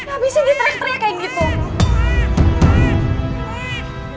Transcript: abisnya diterik terik kayak gitu